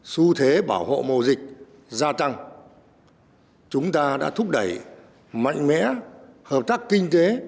xu thế bảo hộ mùa dịch gia tăng chúng ta đã thúc đẩy mạnh mẽ hợp tác kinh tế